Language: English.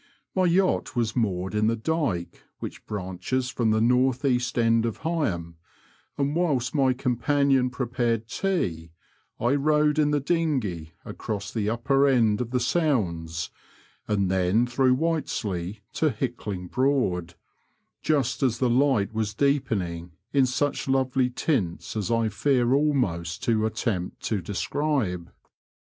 My yacht was moored in the dyke which branches from the north east end of Heigham, and whilst my companion pre pared tea I rowed in the dinghey across the upper end of the Sounds, and then through Whiteslea to Hickling Broad, just as the light was deepening in such lovely tints as I fear almost to attempt to describe.